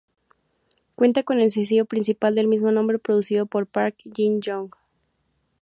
Cuenta con el sencillo principal del mismo nombre producido por Park Jin-young.